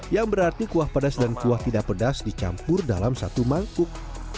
yang berarti kuah pedas dan kuah tidak pedas dicampur dalam satu mangkuk